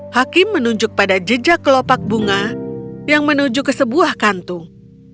hakim menunjuk pada jejak kelopak bunga yang menuju ke sebuah kantung